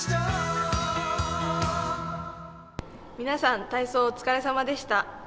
皆さん、体操お疲れ様でした。